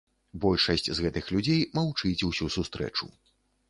Большасць з гэтых людзей маўчыць усю сустрэчу.